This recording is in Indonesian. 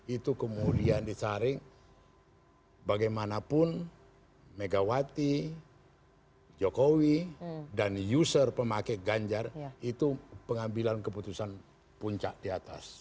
itu kemudian disaring bagaimanapun megawati jokowi dan user pemakai ganjar itu pengambilan keputusan puncak di atas